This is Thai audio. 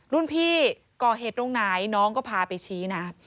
รุ่นพี่ก่อเหตุตรงไหนน้องก็พาไปชี้นะ